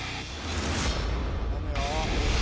頼むよ。